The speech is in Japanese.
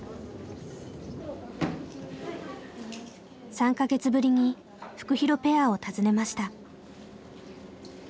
３か月ぶりにフクヒロペアを訪ねました。